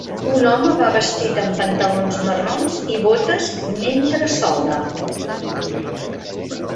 Un home va vestit amb pantalons marrons i botes mentre solda.